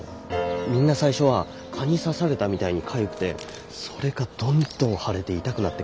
みんな最初は蚊に刺されたみたいにかゆくてそれがどんどん腫れて痛くなってくるって。